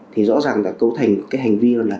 thì rõ ràng là cấu thành cái hành vi là